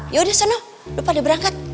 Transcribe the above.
yaudah seno lupa diberangkat